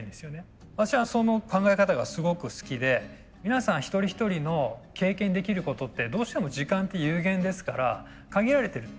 私はその考え方がすごく好きで皆さん一人一人の経験できることってどうしても時間って有限ですから限られてる。